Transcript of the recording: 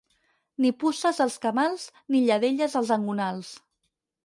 Ni puces als camals, ni lladelles als engonals.